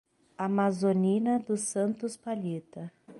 Amazonina dos Santos Palheta